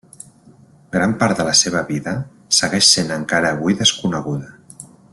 Gran part de la seva vida segueix sent encara avui desconeguda.